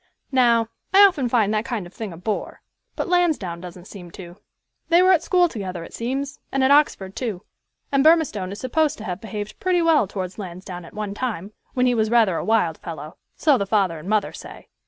Now, I often find that kind of thing a bore; but Lansdowne doesn't seem to. They were at school together, it seems, and at Oxford too; and Burmistone is supposed to have behaved pretty well towards Lansdowne at one time, when he was rather a wild fellow so the father and mother say.